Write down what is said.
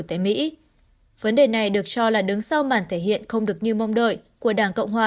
tại mỹ vấn đề này được cho là đứng sau màn thể hiện không được như mong đợi của đảng cộng hòa